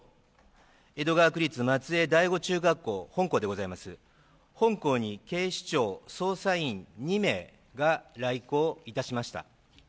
江戸川区立松江第五中学校本校に警視庁捜査員２名が来校いたしました。